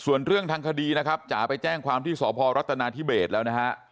ส่วนเรื่องทางคดีนะครับจ๋าไปแจ้งความที่สพรัฐนาธิเบสแล้วนะฮะ